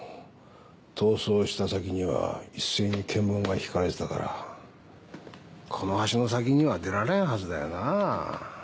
逃走した先には一斉に検問が引かれてたからこの橋の先には出られんはずだよな。